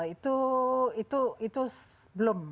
itu belum belum